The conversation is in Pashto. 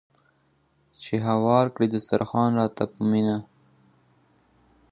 چې هوار کړي دسترخوان راته په مینه